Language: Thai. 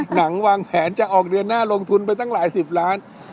หนังวางแผนจะออกเดือนหน้าลงทุนไปตั้งหลายสิบล้าน